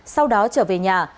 sau đó trở về nhà